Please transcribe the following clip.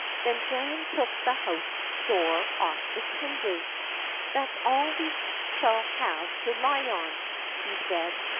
Then Jan took the house door off its hinges, "That's all we shall have to lie on," he said.